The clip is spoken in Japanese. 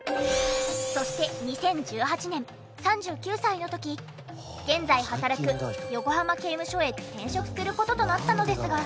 そして２０１８年３９歳の時現在働く横浜刑務所へ転職する事となったのですが。